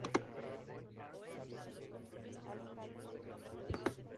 Los cursos en temas de arte y negocios son además muy útiles.